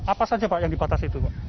apa saja pak yang dibatasi itu pak